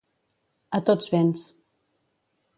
A tots vents.